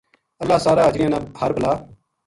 اللہ ساراں اجڑیاں نا ہر بلا